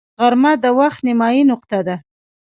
غرمه د وخت نیمايي نقطه ده